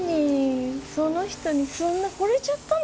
その人にそんな惚れちゃったの？